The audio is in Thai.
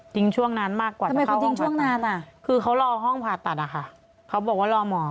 ทิ้งช่วงนานมากกว่าจะเข้าห้องผ่าตัดคือเขารอห้องผ่าตัดค่ะเขาบอกว่ารอหมอ